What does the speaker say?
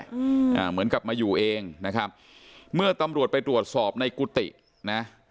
อืมอ่าเหมือนกับมาอยู่เองนะครับเมื่อตำรวจไปตรวจสอบในกุฏินะ